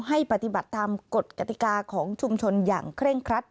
ให้ปฏิบัติตามกฎกติกาของชุมชนอย่างเคร่งครัด